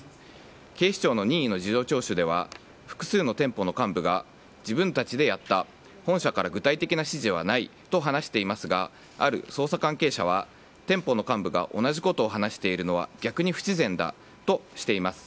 警視庁の任意の事情聴取では複数の店舗の幹部が自分たちでやった本社から具体的な指示はないと話していますがある捜査関係者は店舗の幹部が同じことを話しているのは逆に不自然だとしています。